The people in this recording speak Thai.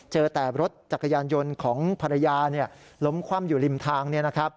เจอแต่รถจักรยานยนต์ของภรรยาล้มคว่ำอยู่ริมทาง